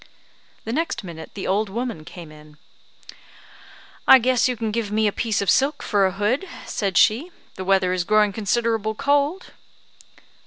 The next minute the old woman came in. "I guess you can give me a piece of silk for a hood," said she, "the weather is growing considerable cold."